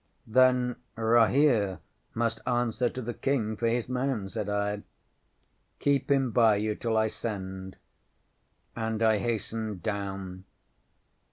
ŌĆØ ŌĆśŌĆ£Then Rahere must answer to the King for his man, ŌĆØ said I. ŌĆ£Keep him by you till I send, ŌĆØ and I hastened down.